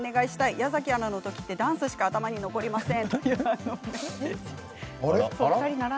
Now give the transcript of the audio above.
矢崎アナの時はダンスしか頭に残りません。